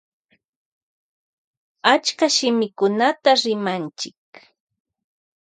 Rimanchi achka shimikunata.